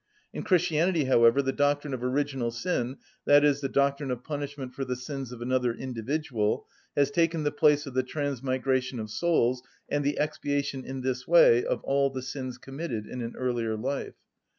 In Christianity, however, the doctrine of original sin, i.e., the doctrine of punishment for the sins of another individual, has taken the place of the transmigration of souls and the expiation in this way of all the sins committed in an earlier life.